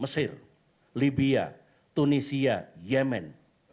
mesir libya tunisia yemen